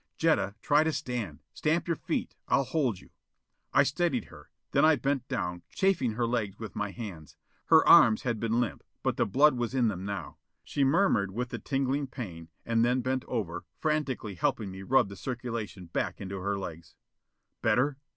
"Jetta, try to stand. Stamp your feet. I'll hold you." I steadied her. Then I bent down, chafing her legs with my hands. Her arms had been limp, but the blood was in them now. She murmured with the tingling pain, and then bent over, frantically helping me rub the circulation back into her legs. "Better?"